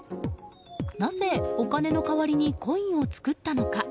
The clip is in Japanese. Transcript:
なぜお金の代わりにコインを作ったのか。